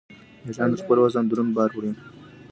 میږیان تر خپل وزن دروند بار وړي